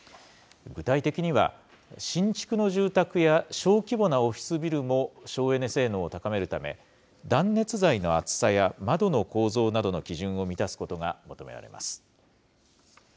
具体的には、新築の住宅や、小規模なオフィスビルも省エネ性能を高めるため、断熱材の厚さや、窓の構造などの基準を満たすことが求められます。